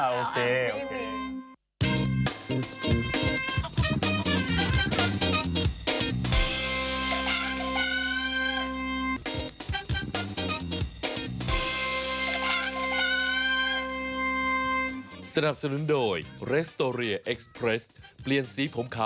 อ่าออกมาครับใส่คลัดกันต่อค่ะ